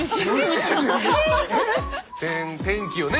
天天気をね